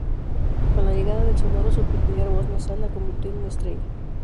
Con la llegada del sonoro, su peculiar voz nasal la convirtió en una estrella.